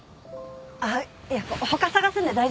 あっいえ他探すんで大丈夫です